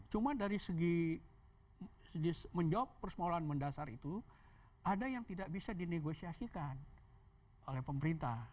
cuma dari segi menjawab persoalan mendasar itu ada yang tidak bisa dinegosiasikan oleh pemerintah